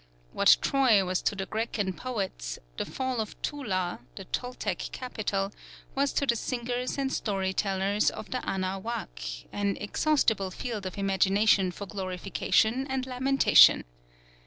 What Troy was to the Grecian poets the fall of Tula (the Toltec capital) was to the singers and story tellers of the Anahuac, an inexhaustible field of imagination for glorification and lamentation....